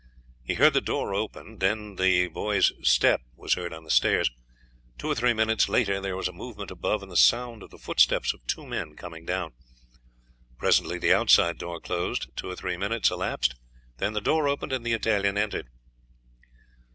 He heard the door opened, then the boy's step was heard on the stairs, two or three minutes later there was a movement above and the sound of the footsteps of two men coming down. Presently the outside door closed, two or three minutes elapsed; then the door opened and the Italian entered.